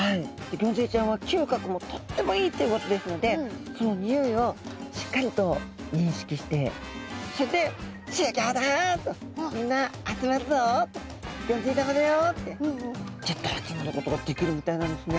ギョンズイちゃんは嗅覚もとってもいいということですのでそのにおいをしっかりと認識してそれで「集合だ」と「みんな集まるぞ」と「ギョンズイ玉だよ」ってギュッと集まることができるみたいなんですね。